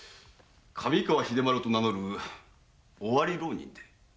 「神川秀麻呂」と名乗る尾張浪人で。